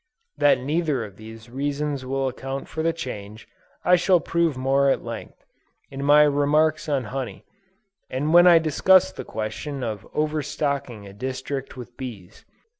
That neither of these reasons will account for the change, I shall prove more at length, in my remarks on Honey, and when I discuss the question of overstocking a district with bees.